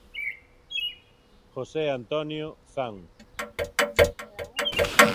José Antonio Zan.